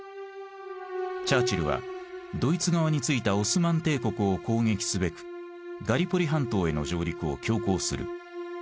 チャーチルはドイツ側についたオスマン帝国を攻撃すべくガリポリ半島への上陸を強行する。